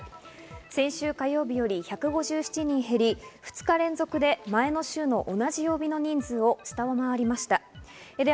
先週火曜日より１５７人減り、２日連続で前の週の同じ曜日の人数を下回りました。